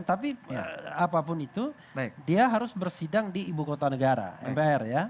tapi apapun itu dia harus bersidang di ibu kota negara mpr ya